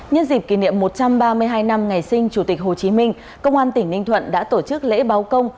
nhân dịp kỷ niệm một trăm ba mươi hai năm ngày sinh chủ tịch hồ chí minh công an tỉnh ninh thuận đã tổ chức lễ báo công